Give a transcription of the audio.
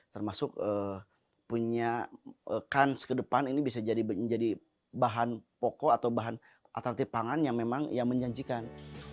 termasuk punya kan seke depan ini bisa jadi bahan poko atau bahan atletik pangan yang memang menjanjikan